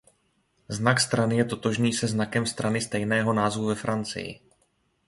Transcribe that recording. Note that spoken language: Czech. Znak strany je totožný se znakem strany stejného názvu ve Francii.